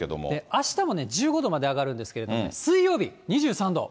あしたもね、１５度まで上がるんですけども、水曜日、２３度。